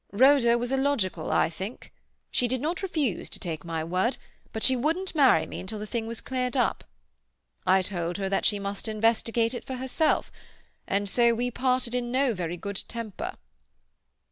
Rhoda was illogical, I think. She did not refuse to take my word, but she wouldn't marry me until the thing was cleared up. I told her that she must investigate it for herself, and so we parted in no very good temper."